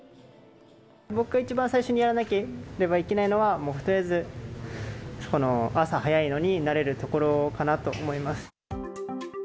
僕が一番最初にやらなければいけないのは、もうとりあえず、この朝早いのに慣れるところかなと思います。